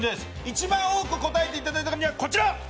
１番多く答えていただいた方にはこちら！